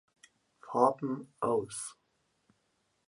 Farben aus.